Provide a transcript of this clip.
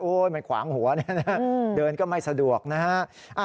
โอ้มันขวางหัวนะเดินก็ไม่สะดวกนะฮะ